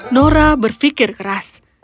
nora berfikir keras